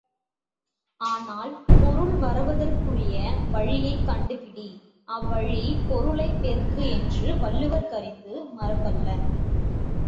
ஆனால், பொருள் வருவதற்குரிய வழியைக் கண்டுபிடி அவ்வழிப் பொருளைப் பெருக்கு என்ற வள்ளுவர் கருத்து மரபல்ல.